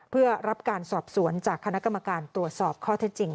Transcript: เพื่อรับการสอบสวนจากคณะกรรมการตรวจสอบข้อเท็จจริง